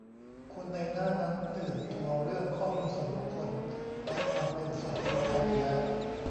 คนในหน้านั้น ตื่นตัวเรื่องข้อมูลส่วนบุคคลและความเป็นส่วนตัวกันอยู่แล้ว